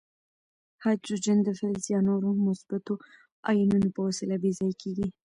هایدروجن د فلز یا نورو مثبتو آیونونو په وسیله بې ځایه کیږي.